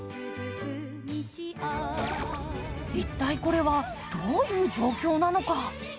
一体これは、どういう状況なのか。